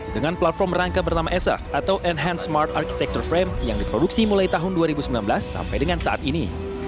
dengan platform rangka bernama sf atau enhan smart architectur frame yang diproduksi mulai tahun dua ribu sembilan belas sampai dengan saat ini